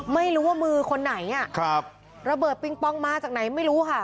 ไม่รู้ว่ามือคนไหนอ่ะครับระเบิดปิงปองมาจากไหนไม่รู้ค่ะ